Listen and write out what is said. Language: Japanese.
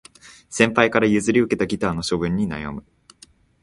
先輩から譲り受けたギターの処分に悩む